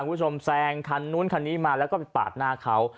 คุณผู้ชมแซงคันนู้นคันนี้มาแล้วก็ปาดหน้าเขา